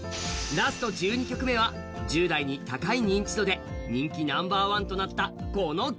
ラスト１２曲目は１０代に高い認知度で人気ナンバーワンとなったこの曲。